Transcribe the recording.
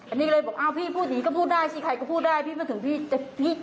อันนี้เลยบอกพี่พูดหีก็พูดได้จะไ้ก็พูดได้